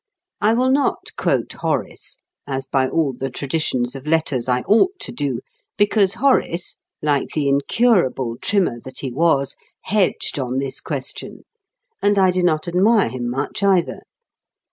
I will not quote Horace, as by all the traditions of letters I ought to do, because Horace, like the incurable trimmer that he was, "hedged" on this question; and I do not admire him much either.